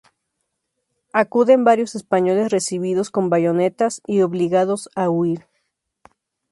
Acuden varios españoles recibidos con bayonetas y obligados a huir.